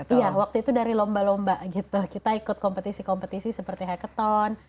iya waktu itu dari lomba lomba gitu kita ikut kompetisi kompetisi seperti hacket tone